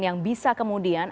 yang bisa kemudian